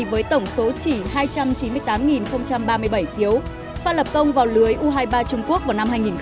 với tổng số chỉ hai trăm chín mươi tám ba mươi bảy phiếu phát lập công vào lưới u hai mươi ba trung quốc vào năm hai nghìn một mươi